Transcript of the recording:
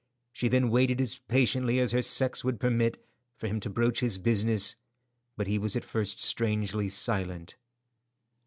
She then waited as patiently as her sex would permit, for him to broach his business, but he was at first strangely silent.